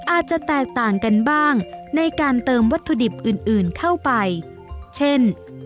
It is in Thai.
อาจจะแตกต่างกันบ้างในการเติมวัตถุดิบอื่นเข้าไปเช่น